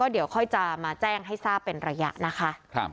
เดี๋ยวค่อยจะมาแจ้งให้ทราบเป็นระยะนะคะ